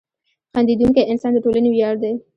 • خندېدونکی انسان د ټولنې ویاړ دی.